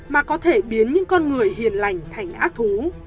mà có thể biến những con người hiền lành thành ác thú